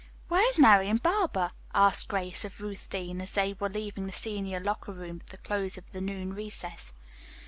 "Where is Marian Barber?" asked Grace of Ruth Deane, as they were leaving the senior locker room at the close of the noon recess.